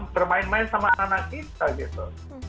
bermain main sama anak anak kita gitu